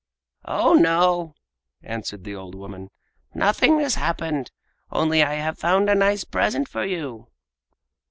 "Oh, no!" answered the old woman, "nothing has happened, only I have found a nice present for you!"